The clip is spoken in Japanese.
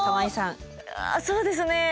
そうですね。